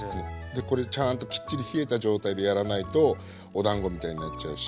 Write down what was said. でこれちゃんときっちり冷えた状態でやらないとおだんごみたいになっちゃうし。